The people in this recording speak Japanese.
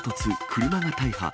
車が大破。